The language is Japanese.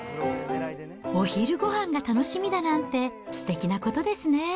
お昼ごはんが楽しみだなんて、すてきなことですね。